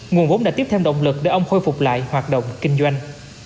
nguồn vốn đã tiếp thêm động lực để ông khôi phục lại hoạt động kinh doanh